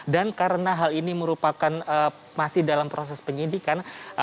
dan karena hal ini merupakan masih dalam proses penyidikan